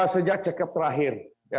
sejak check up terakhir